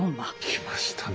きましたね。